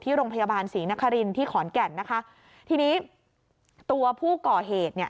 โรงพยาบาลศรีนครินที่ขอนแก่นนะคะทีนี้ตัวผู้ก่อเหตุเนี่ย